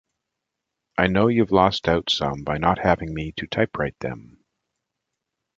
I know you've lost out some by not having me to typewrite them.